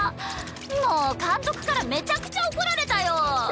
もう監督からめちゃくちゃ怒られたよ。